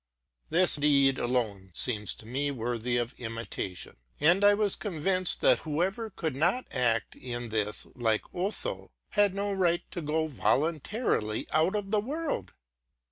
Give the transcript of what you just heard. This deed alone seemed to me worthy of imitation; and I was convinced, that whoever could not act in this like Otho, had no right to go RELATING TO MY LIFE. 165 voluntarily out of the world.